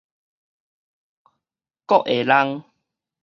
胳下胴